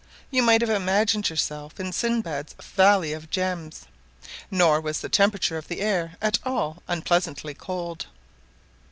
You might have imagined yourself in Sinbad's valley of gems; nor was the temperature of the air at all unpleasantly cold.